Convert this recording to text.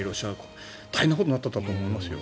大変なことになったと思いますよ。